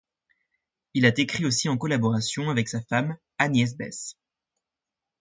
Il écrit aussi en collaboration avec sa femme, Agnès Besse.